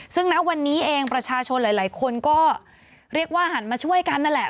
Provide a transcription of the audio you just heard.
ซึ่งณวันนี้เองประชาชนหลายคนก็เรียกว่าหันมาช่วยกันนั่นแหละ